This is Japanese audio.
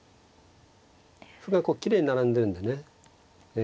歩がこうきれいに並んでるんでねえ